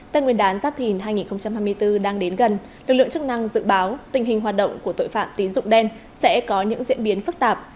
tên nguyên đán giáp thìn hai nghìn hai mươi bốn đang đến gần lực lượng chức năng dự báo tình hình hoạt động của tội phạm tín dụng đen sẽ có những diễn biến phức tạp